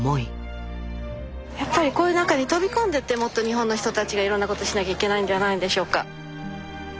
やっぱりこういう中に飛び込んでってもっと日本の人たちがいろんなことしなきゃいけないんじゃないんでしょうか。